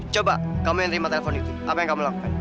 coba kamu yang terima telepon itu apa yang kamu lakukan